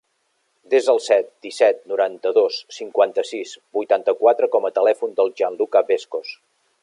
Desa el set, disset, noranta-dos, cinquanta-sis, vuitanta-quatre com a telèfon del Gianluca Bescos.